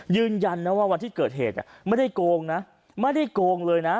ยืนยันนะว่าวันที่เกิดเหตุไม่ได้โกงนะไม่ได้โกงเลยนะ